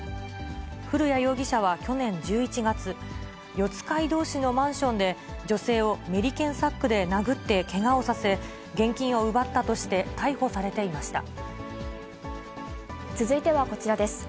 古屋容疑者は去年１１月、四街道市のマンションで、女性をメリケンサックで殴ってけがをさせ、現金を奪ったとして逮捕されてい続いてはこちらです。